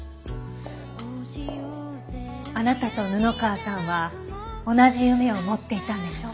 あなたと布川さんは同じ夢を持っていたんでしょ？